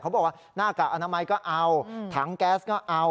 บอกว่าหน้ากากอนามัยก็เอาถังแก๊สก็เอา